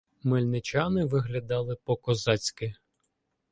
Мельничани виглядали по-козацьки.